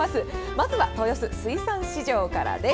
まずは、豊洲水産市場からです。